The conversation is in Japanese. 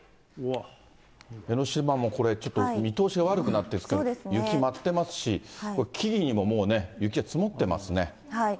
江の島もこれ、ちょっと見通しが悪くなってますけれども、雪舞ってますし、木々にももう雪が積もってますね。